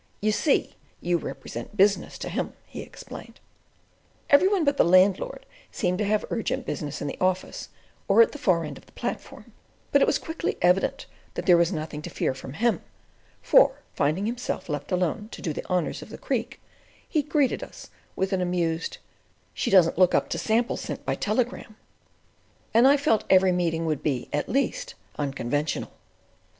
"You see, you represent business to him," he explained. Every one but the landlord seemed to have urgent business in the office or at the far end of the platform, but it was quickly evident that there was nothing to fear from him; for, finding himself left alone to do the honours of the Creek, he greeted us with an amused: "She doesn't look up to sample sent by telegram"; and I felt every meeting would be, at least, unconventional.